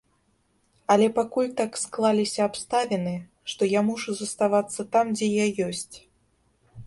Але пакуль так склаліся абставіны, што я мушу заставацца там, дзе я ёсць.